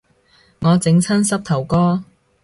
我整親膝頭哥